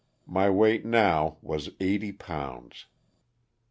My weight now was eighty pounds.